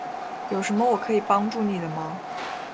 有什么我可以帮助你的吗？